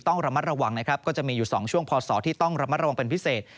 ต้องระมัดระวังนะครับก็จะมีอยู่๒ช่วงพศที่ต้องระมัดระวังเป็นพิเศษ